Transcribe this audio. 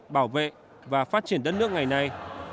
bảo vệ và phát triển đất nước ngày nay